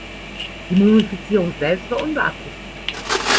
Die Mumifizierung selbst war unbeabsichtigt.